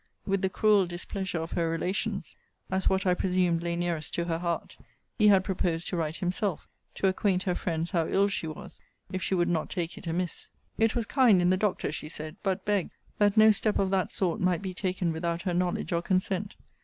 with the cruel displeasure of her relations, as what I presumed lay nearest to her heart, he had proposed to write himself, to acquaint her friends how ill she was, if she would not take it amiss. It was kind in the Doctor, she said: but begged, that no step of that sort might be taken without her knowledge or consent.